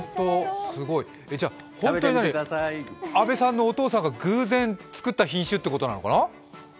じゃあ、本当に阿部さんのお父さんが偶然作った品種ということなのかな？